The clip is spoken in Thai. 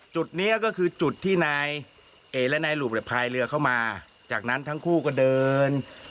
จุดนี้ก็คือจุดที่นายหลวงปลายเรือเข้ามาจากนั้นทั้งคู่ก็เดิน